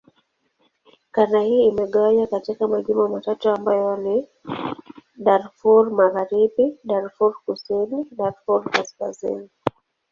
Kanda hii imegawanywa katika majimbo matatu ambayo ni: Darfur Magharibi, Darfur Kusini, Darfur Kaskazini.